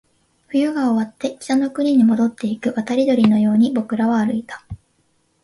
冬が終わって、北の国に戻っていく渡り鳥のように僕らは歩いた